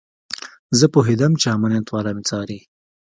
زه پوهېدم چې امنيت والا مې څاري.